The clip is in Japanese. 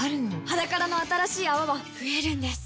「ｈａｄａｋａｒａ」の新しい泡は増えるんです